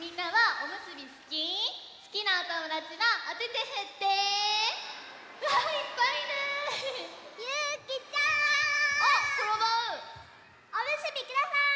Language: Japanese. おむすびください！